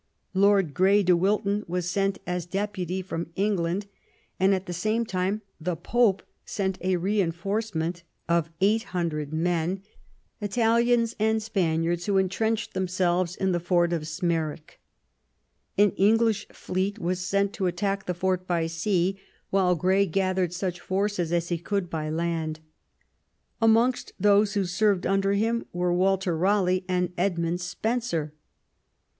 Lord Gray de Wilton was sent as deputy from England; and at the same time the Pope sent a reinforcement of eight hundred men, Italians and Spaniards, who entrenched themselves in the fort of Smerwick. An English fleet was sent to attack the fort by sea, while Grey gathered such forces as he could by land. Amongst those who served under him were Walter Raleigh and Edmund Spenser.